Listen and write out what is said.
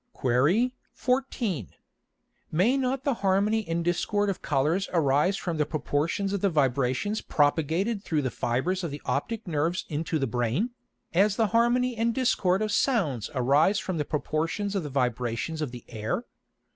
Qu. 14. May not the harmony and discord of Colours arise from the proportions of the Vibrations propagated through the Fibres of the optick Nerves into the Brain, as the harmony and discord of Sounds arise from the proportions of the Vibrations of the Air?